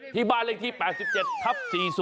ที่บ้านเลขที่๘๗ทับ๔๐